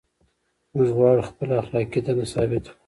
موږ غواړو خپله اخلاقي دنده ثابته کړو.